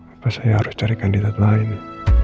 apa saya harus cari kandidat lain